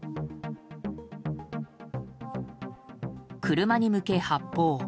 車に向け発砲。